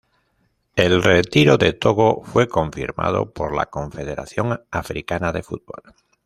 El retiro de Togo fue confirmado por la Confederación Africana de Fútbol.